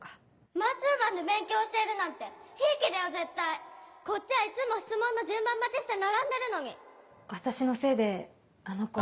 マンツーマンで勉強教えるなんてひいきこっちはいつも質問の順番待ちし私のせいであの子は。